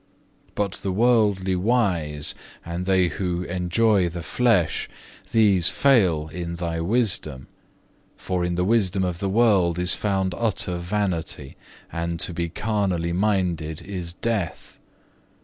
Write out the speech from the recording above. But the worldly wise, and they who enjoy the flesh, these fail in Thy wisdom; for in the wisdom of the world is found utter vanity, and to be carnally minded is death.